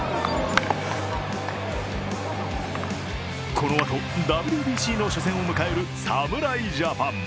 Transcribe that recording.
このあと、ＷＢＣの初戦を迎える侍ジャパン。